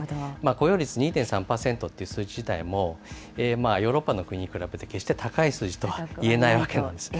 雇用率２．３％っていう数字自体も、ヨーロッパの国に比べて、決して高い数字といえないわけです。